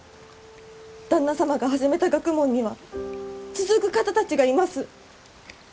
旦那様が始めた学問には続く方たちがいます。